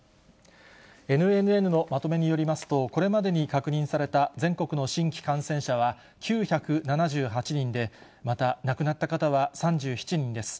ＮＮＮのまとめによりますと、これまでに確認された全国の新規感染者は９７８人で、また亡くなった方は３７人です。